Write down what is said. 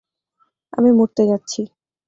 আমি মরতে যাচ্ছি!